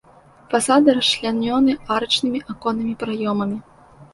Фасады расчлянёны арачнымі аконнымі праёмамі.